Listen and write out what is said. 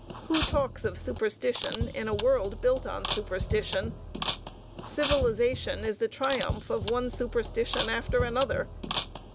Who talks of superstition in a world built on superstition? Civilization is the triumph of one superstition after another.